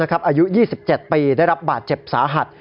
อายุ๒๗ปีได้รับบาดเจ็บสาหัส